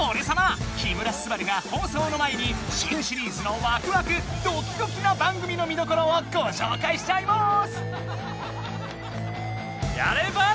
木村昴が放送の前に新シリーズのワクワクドキドキな番組の見どころをごしょうかいしちゃいます！